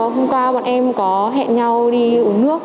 hôm qua bọn em có hẹn nhau đi uống nước